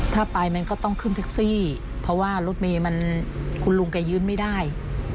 ถ้าไปมันก็ต้องขึ้นแท็กซี่เพราะว่ารถเมย์มันคุณลุงแกยืนไม่ได้